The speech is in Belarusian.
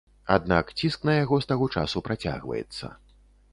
Аднак ціск на яго з таго часу працягваецца.